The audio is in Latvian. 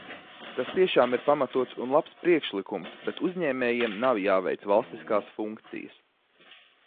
Tas tiešām ir pamatots un labs priekšlikums, bet uzņēmējiem nav jāveic valstiskās funkcijas.